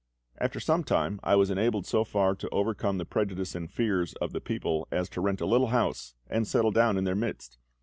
After some time I was enabled so far to overcome the prejudice and fears of the people as to rent a little house and settle down in their midst.